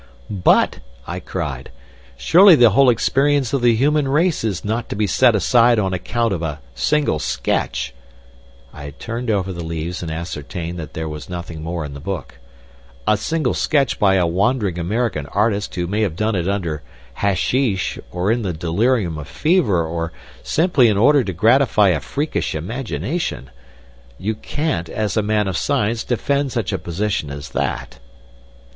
"But," I cried, "surely the whole experience of the human race is not to be set aside on account of a single sketch" I had turned over the leaves and ascertained that there was nothing more in the book "a single sketch by a wandering American artist who may have done it under hashish, or in the delirium of fever, or simply in order to gratify a freakish imagination. You can't, as a man of science, defend such a position as that."